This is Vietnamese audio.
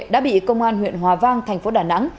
đã bị công an huyện hòa vang thành phố đà nẵng